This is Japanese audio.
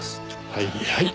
はいはい。